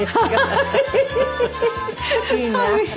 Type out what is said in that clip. いいな。